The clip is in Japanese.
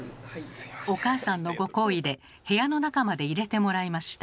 お母さんのご厚意で部屋の中まで入れてもらいました。